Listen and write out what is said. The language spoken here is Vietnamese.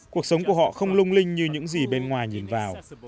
cuộc sống của họ không lung linh như những gì bên ngoài nhìn vào